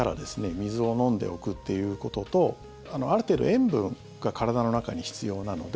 水を飲んでおくっていうこととある程度塩分が体の中に必要なので